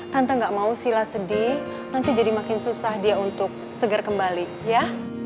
tante gak mau sila sedih nanti jadi makin susah dia untuk seger kembali ya